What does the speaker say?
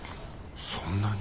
そんなに。